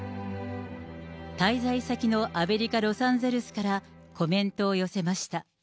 滞在先のアメリカ・ロサンゼルスからコメントを寄せました。